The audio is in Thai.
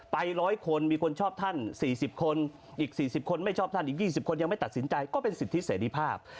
ไป๑๐๐คนมีคนชอบท่าน๔๐คนอีก๔๐คนไม่ชอบท่านอีก๒๐คนยังไม่ตัดสินใจก็เป็นสิทธิเสรีภาพ